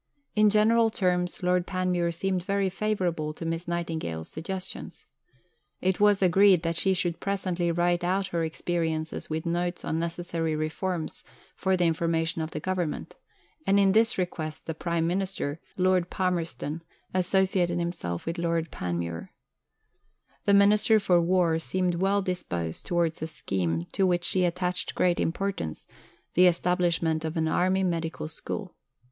In general terms, Lord Panmure seemed very favourable to Miss Nightingale's suggestions. It was agreed that she should presently write out her experiences with notes on necessary reforms for the information of the Government, and in this request the Prime Minister, Lord Palmerston, associated himself with Lord Panmure. The Minister for War seemed well disposed towards a scheme to which she attached great importance the establishment of an Army Medical School.